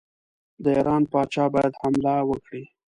د ایران پاچا باید حمله وکړي.